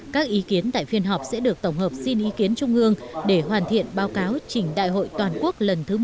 các ý kiến tại phiên họp sẽ được tổng hợp xin ý kiến trung ương để hoàn thiện báo cáo trình đại hội toàn quốc lần thứ một mươi